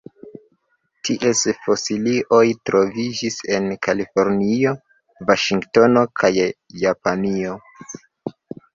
Ties fosilioj troviĝis en Kalifornio, Vaŝingtono kaj Japanio.